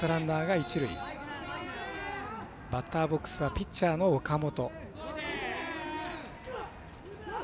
バッターボックスはピッチャーの岡本。